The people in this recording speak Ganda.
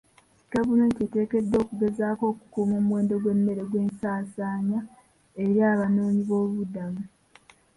Gavumenti eteekeddwa okugezaako okukuuma omuwendo gw'emmere gw'esaasaanya eri abanoonyi b'obubuddamu.